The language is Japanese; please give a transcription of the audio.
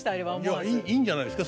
いやいいんじゃないですか。